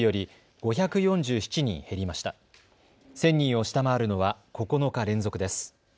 １０００人を下回るのは９日連続です。